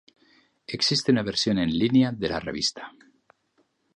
Existe una versión en línea de la revista.